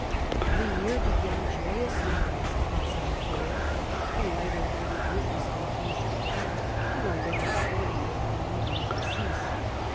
" The year began joyously," writes Bassompierre, a lighter hearted witness than Pontchartrain, and a loyal courtier of Marie de Medicis.